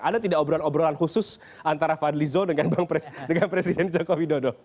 ada tidak obrolan obrolan khusus antara fadlizon dengan presiden joko widodo